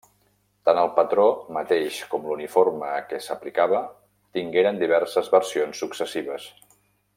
Tant el patró mateix com l'uniforme a què s'aplicava tingueren diverses versions successives.